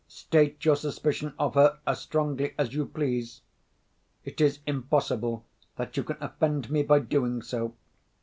State your suspicion of her as strongly as you please—it is impossible that you can offend me by doing so.